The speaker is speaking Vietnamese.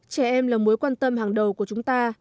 trẻ em là mối quan tâm hàng đầu của chúng ta